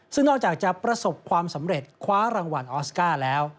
ซึ่งนอกจากจะประสบความสำเร็จคว้ารางวัลออสการ์แล้ว